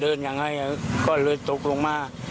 ยังไงก็เลยตกลงมา